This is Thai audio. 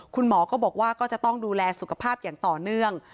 คุณหมอก็บอกว่าก็จะต้องดูแลสุขภาพอย่างต่อเนื่อง